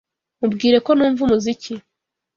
Mubwire ko numva umuziki.